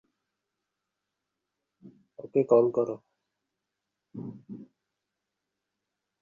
ওকে call কর।